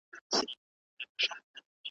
مرګی داسي پهلوان دی اتل نه پرېږدي پر مځکه `